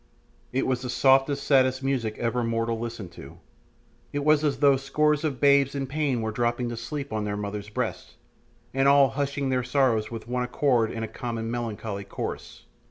It was the softest, saddest music ever mortal listened to. It was as though scores of babes in pain were dropping to sleep on their mothers' breasts, and all hushing their sorrows with one accord in a common melancholy chorus.